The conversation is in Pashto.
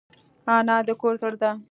انا د کور زړه ده